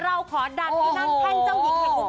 เราขอดัดที่นั่งแท่นเจ้าหญิงเหตุผลการณ์ด้วย